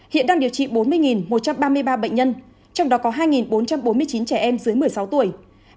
hiện đang điều trị bốn mươi một trăm ba mươi ba bệnh nhân trong đó có hai bốn trăm bốn mươi chín trẻ em dưới một mươi sáu tuổi